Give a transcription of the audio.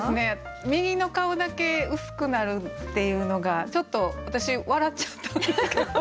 「右の顔だけ薄くなる」っていうのがちょっと私笑っちゃったんだけど。